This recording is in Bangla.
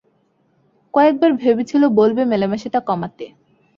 কয়েক বার ভেবেছিল বলবে মেলামেশাটা কমাতে।